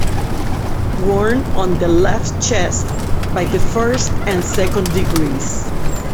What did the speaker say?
Worn on the left chest by the first and second degrees.